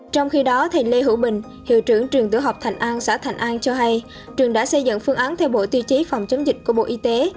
trong khi đó thầy lê hữu bình hiệu trưởng trường tiểu học thành an xã thành an cho hay trường đã xây dựng phương án theo bộ tiêu chí phòng chống dịch của bộ y tế